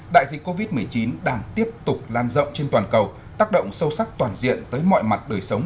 đại dịch covid một mươi chín đang tiếp tục lan rộng trên toàn cầu tác động sâu sắc toàn diện tới mọi mặt đời sống